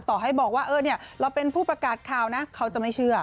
ต่อให้บอกว่าเราเป็นผู้ประกาศข่าวนะเขาจะไม่เชื่อ